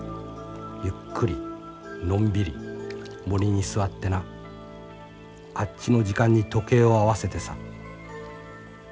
ゆっくりのんびり森に座ってなあっちの時間に時計を合わせてさ。